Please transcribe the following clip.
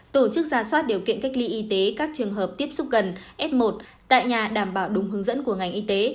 tổ chức ra soát điều kiện cách ly y tế các trường hợp tiếp xúc gần f một tại nhà đảm bảo đúng hướng dẫn của ngành y tế